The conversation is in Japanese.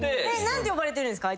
何て呼ばれてるんですか？